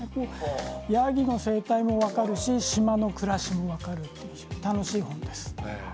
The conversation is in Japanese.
ヤギの生態も分かるし島の暮らしも分かる楽しい本です。